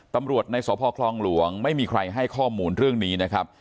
ตำรวจในสพคลองหลวงไม่มีใครให้ข้อมูลเรื่องนี้นะครับ